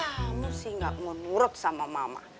kamu sih enggak mau nurut sama mama